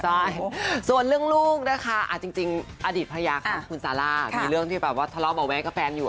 ใช่ส่วนเรื่องลูกนะคะจริงอดีตภรรยาของคุณซาร่ามีเรื่องที่แบบว่าทะเลาะเบาะแว้งกับแฟนอยู่